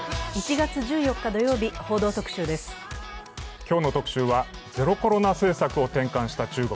今日の特集はゼロコロナ政策を転換した中国。